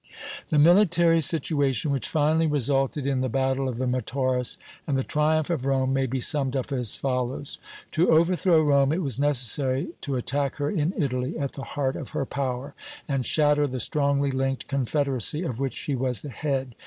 The military situation which finally resulted in the battle of the Metaurus and the triumph of Rome may be summed up as follows: To overthrow Rome it was necessary to attack her in Italy at the heart of her power, and shatter the strongly linked confederacy of which she was the head.